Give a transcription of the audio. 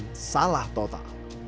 adalah salah total